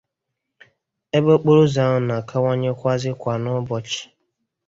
ebe okporoụzọ ahụ na-akawanyekwazị kwà n'ụbọchị.